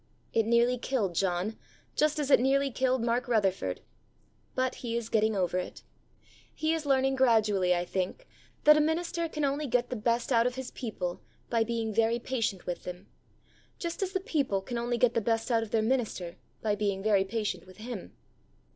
It nearly killed John just as it nearly killed Mark Rutherford. But he is getting over it. He is learning gradually, I think, that a minister can only get the best out of his people by being very patient with them, just as the people can only get the best out of their minister by being very patient with him.